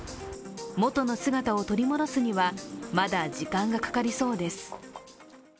元の姿を取り戻すにはまだ時間がかかりそうです。